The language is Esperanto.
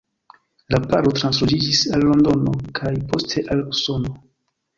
La paro transloĝiĝis al Londono kaj poste al Usono.